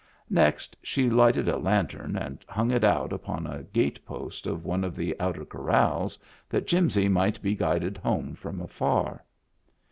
Next she lighted a lantern and hung it out upon a gate post of one of the outer corrals, that Jimsy might be guided home from afar.